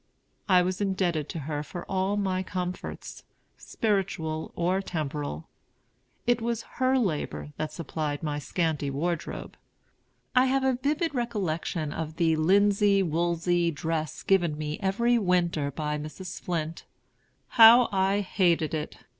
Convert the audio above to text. I was indebted to her for all my comforts, spiritual or temporal. It was her labor that supplied my scanty wardrobe. I have a vivid recollection of the linsey woolsey dress given me every winter by Mrs. Flint. How I hated it!